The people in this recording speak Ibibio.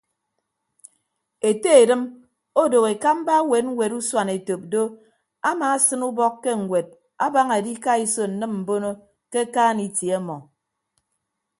Ete edịm odooho ekamba ewet ñwet usuanetop do amaasịn ubọk ke ñwed abaña edikaiso nnịm mbono ke akaan itie ọmọ.